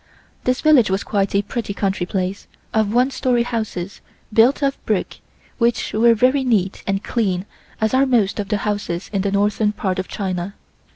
This village was quite a pretty country place of one story houses built of brick, which were very neat and clean as are most of the houses in the northern part of China.